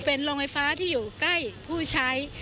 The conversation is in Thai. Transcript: เป็นโรงไฟฟ้าที่อยู่ใกล้ผู้ใช้